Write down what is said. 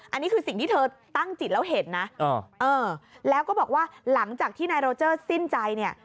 อันนี้คือสิ่งที่เธอตั้งจิตแล้วเห็นนะแล้วก็บอกว่าหลังจากที่นายโรเจอร์สิ้นใจเนี่ย